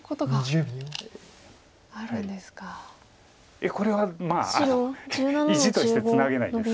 いやこれは意地としてツナげないです